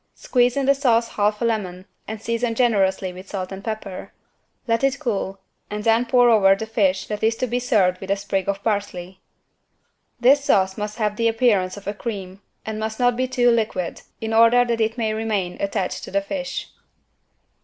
Squeeze in the sauce half a lemon and season generously with salt and pepper. Let it cool and then pour over the fish that is to be served with a sprig of parsley. This sauce must have the appearance of a cream and must not be too liquid, in order that it may remain attached to the fish.